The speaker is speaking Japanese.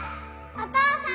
お父さん！